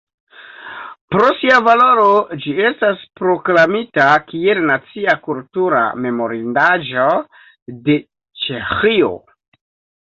Pro sia valoro ĝi estas proklamita kiel Nacia kultura memorindaĵo de Ĉeĥio.